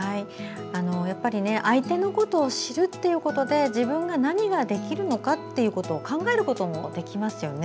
やっぱり相手のことを知るということで自分が何ができるのかを考えることもできますよね。